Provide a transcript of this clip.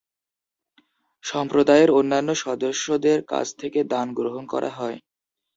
সম্প্রদায়ের অন্যান্য সদস্যদের কাছ থেকে দান গ্রহণ করা হয়।